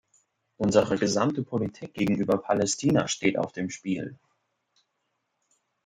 Unsere gesamte Politik gegenüber Palästina steht auf dem Spiel.